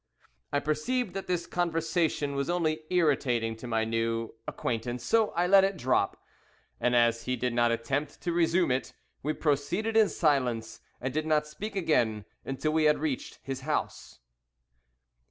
I perceived that this conversation was only irritating to my new acquaintance, so I let it drop, and as he did not attempt to resume it, we proceeded in silence, and did not speak again until we had reached his house.